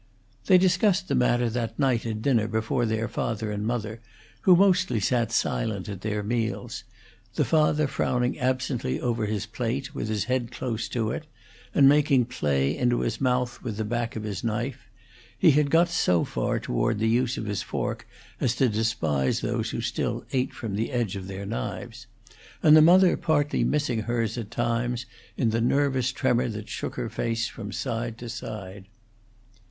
They discussed the matter that night at dinner before their father and mother, who mostly sat silent at their meals; the father frowning absently over his plate, with his head close to it, and making play into his mouth with the back of his knife (he had got so far toward the use of his fork as to despise those who still ate from the edge of their knives), and the mother partly missing hers at times in the nervous tremor that shook her face from side to side.